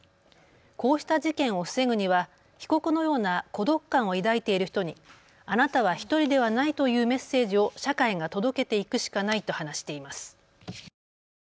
こうした事件を防ぐには被告のような孤独感を抱いている人にあなたは１人ではないというメッセージを社会が届けていくしかないと話しています。